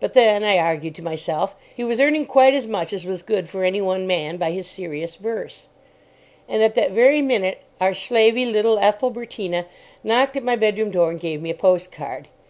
But then, I argued to myself, he was earning quite as much as was good for any one man by his serious verse. And at that very minute our slavey, little Ethelbertina, knocked at my bedroom door and gave me a postcard.